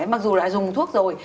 mặc dù đã dùng thuốc rồi